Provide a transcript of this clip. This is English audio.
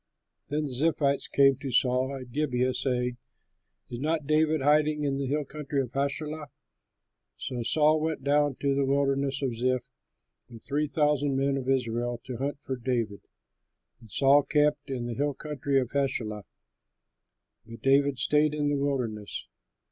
Then the Ziphites came to Saul at Gibeah, saying, "Is not David hiding in the hill country of Hachilah?" So Saul went down to the Wilderness of Ziph with three thousand men of Israel to hunt for David. And Saul camped in the hill country of Hachilah; but David stayed in the wilderness.